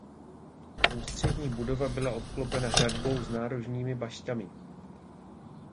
Ústřední budova byla obklopena hradbou s nárožními baštami.